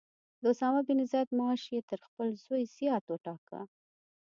د اسامه بن زید معاش یې تر خپل زوی زیات وټاکه.